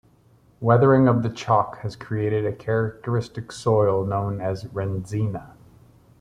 Weathering of the chalk has created a characteristic soil known as rendzina.